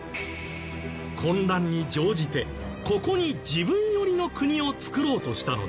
混乱に乗じてここに自分寄りの国をつくろうとしたのです。